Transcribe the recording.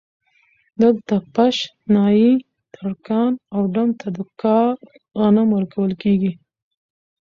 دلته پش ، نايي ، ترکاڼ او ډم ته د کال غنم ورکول کېږي